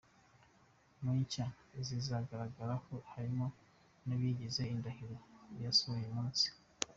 Mu nshya zizayigaragaraho, harimo ‘Nabigize indahiro’ yasohoye uyu munsi.